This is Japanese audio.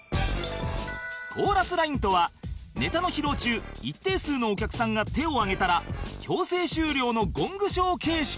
コーラスラインとはネタの披露中一定数のお客さんが手を挙げたら強制終了のゴングショー形式